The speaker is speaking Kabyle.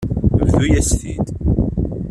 Bḍu-yas-t-id.